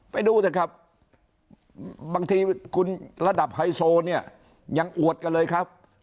ไปดูเถอะครับบางทีคุณระดับไฮโซเนี่ยยังอวดกันเลยครับ